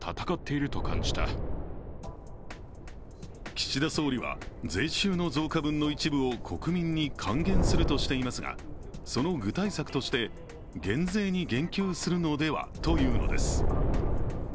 岸田総理は、税収の増加分の一部を国民に還元するとしていますがその具体策として、減税に言及するのではというのです。